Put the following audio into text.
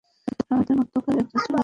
আমাদের মধ্যকার একজন চলে গেছে।